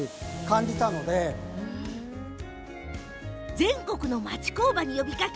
全国の町工場に呼びかけ